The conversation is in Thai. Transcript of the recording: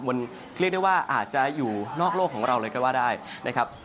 มันเรียกได้ว่าอาจจะอยู่นอกโลกของเราเลยก็ว่าได้นะครับ